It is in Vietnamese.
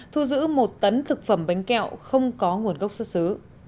thu giữ một tấn thực phẩm bánh kẹo không có nguồn gốc xuất xứ